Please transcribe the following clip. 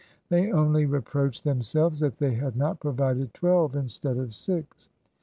They only reproached themselves that they had not provided twelve instead of six.